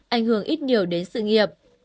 ảnh hưởng ít nhiều đến sự nghiệp